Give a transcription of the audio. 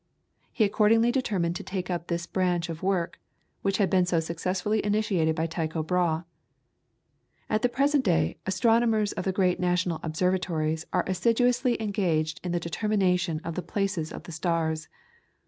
He accordingly determined to take up this branch of work, which had been so successfully initiated by Tycho Brahe. At the present day, astronomers of the great national observatories are assiduously engaged in the determination of the places of the stars.